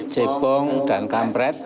cepong dan kampret